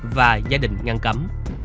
và gia đình ngăn cấm